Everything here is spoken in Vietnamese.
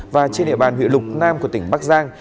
và trên địa bàn huyện lục nam của tỉnh bắc giang